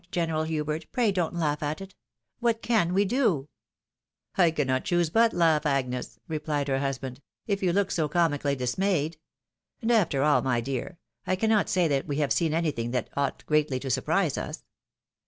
General Hubert, pray don't laugh at it ! What can we do ?" "I cannot choose but laugh, Agnes," replied her hus band, " if you look so comically dismayed. And after all, my dear, I cannot say that we have seen anything that ought greatly to surprise us.